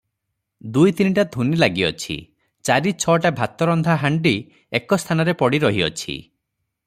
ଦୁଇ ତିନିଟା ଧୂନି ଲାଗିଅଛି, ଚାରି ଛଅଟା ଭାତରନ୍ଧା ହାଣ୍ଡି ଏକ ସ୍ଥାନରେ ପଡି ରହିଅଛି ।